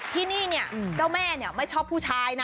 ที่นี่เนี่ยเจ้าแม่ไม่ชอบผู้ชายนะ